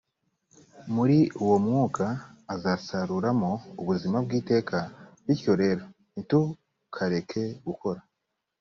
muri uwo mwuka azasaruramo ubuzima bw iteka bityo rero ntitukareke gukora